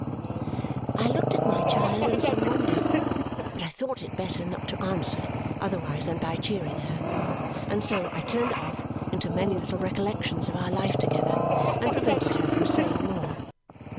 I looked at my child in some wonder, but I thought it better not to answer otherwise than by cheering her, and so I turned off into many little recollections of our life together and prevented her from saying more.